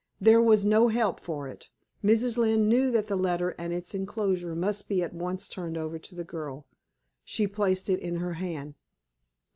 There was no help for it. Mrs. Lynne knew that the letter and its inclosure must be at once turned over to the girl. She placed it in her hand.